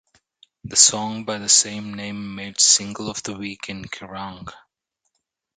The song by the same name made Single of the Week in Kerrang!